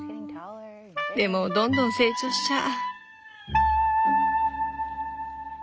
でもどんどん成長しちゃう。